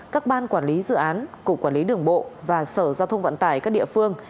các ban quản lý dự án cục quản lý đường bộ và sở giao thông vận tải các địa phương